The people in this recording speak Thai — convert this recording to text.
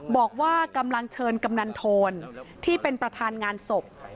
บอกว่ากำลังเชิญกำนันโทนที่เป็นประธานงานศพ